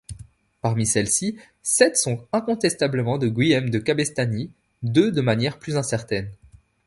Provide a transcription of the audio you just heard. Parmi celles-ci, sept sont incontestablement de Guillem de Cabestany, deux de manière plus incertaine.